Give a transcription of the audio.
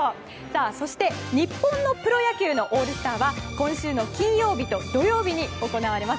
そして日本のプロ野球のオールスターは今週の金曜日と土曜日に行われます。